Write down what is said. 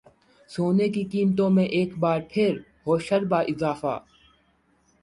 سونے کی قیمتوں میں ایک بار پھر ہوشربا اضافہ